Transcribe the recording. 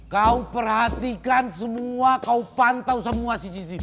kau perhatikan semua kau pantau semua cctv